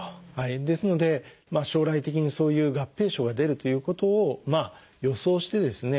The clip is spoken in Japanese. ですので将来的にそういう合併症が出るということを予想してですね